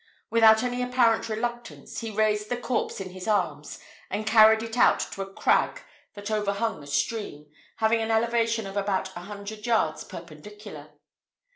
Without any apparent reluctance, he raised the corpse in his arms, and carried it out to a crag that overhung the stream, having an elevation of about a hundred yards perpendicular.